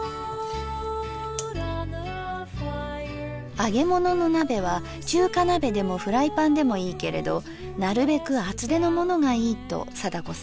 揚げ物の鍋は中華鍋でもフライパンでもいいけれどなるべく厚手のものがいいと貞子さん。